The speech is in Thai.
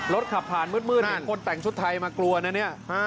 รถขับผ่านมืดเนี่ยคนแต่งชุดไทยมากลัวนะเนี่ย